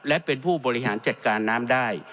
และเป็นผู้บริหารจัดการน้ำได้